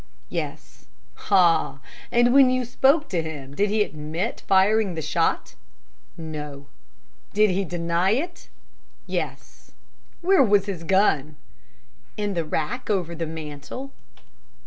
"Yes." "Ah! And when you spoke to him, did he admit firing the shot?" "No." "Did he deny it?" "Yes." "Where was his gun?" "In the rack over the mantel."